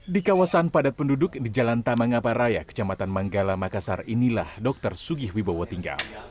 di kawasan padat penduduk di jalan tamangapa raya kecamatan manggala makassar inilah dr sugih wibowo tinggal